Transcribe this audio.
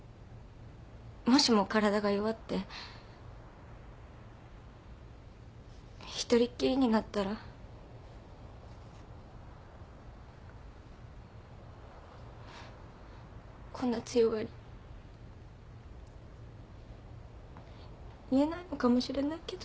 もしも体が弱って一人っきりになったらこんな強がり言えないのかもしれないけど。